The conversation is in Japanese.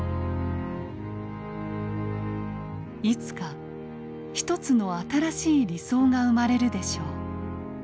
「いつかひとつの新しい理想が生まれるでしょう。